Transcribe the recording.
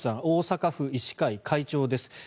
大阪府医師会の会長です。